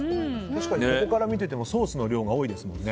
確かに、ここから見ててもソースの量が多いですもんね。